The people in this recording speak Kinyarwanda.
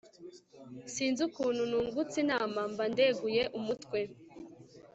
sinzi ukuntu nungutse inama mba ndeguye umutwe